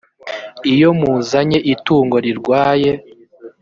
iyo muzanye itungo rirwaye